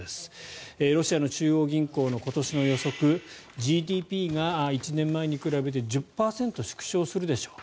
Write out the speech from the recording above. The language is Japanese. ロシアの中央銀行の今年の予測ＧＤＰが１年前に比べて１０％縮小するでしょう。